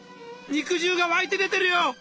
肉汁が湧いて出てるよ！